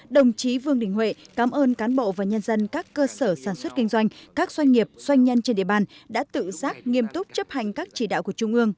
đồng chí vương đình huệ cảm ơn cán bộ và nhân dân các cơ sở sản xuất kinh doanh các doanh nghiệp doanh nhân trên địa bàn đã tự giác nghiêm túc chấp hành các chỉ đạo của trung ương